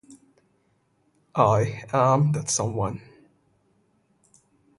I am that someone.